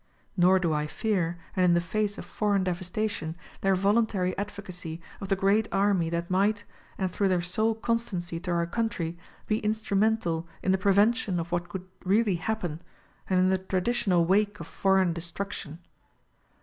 Nor do I fear, and in the face of foreign devastation, their voluntary advocacy of the great army that might, and through their sole constancy to our country be instrumental in the prevention of what could really happen, and in the traditional wake of foreign destruction.